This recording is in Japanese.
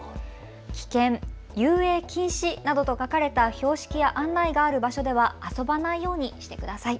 危険、遊泳禁止などと書かれた標識や案内がある場所では遊ばないようにしてください。